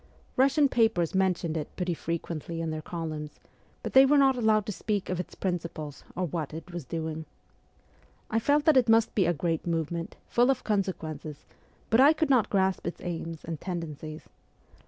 Russian papers mentioned it pretty frequently in their columns, but they were not allowed to speak of its principles or what it was doing. I felt that it must be a great movement, full of consequences, but I could not grasp its aims and tendencies.